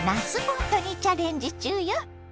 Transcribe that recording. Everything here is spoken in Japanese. ボートにチャレンジ中よ。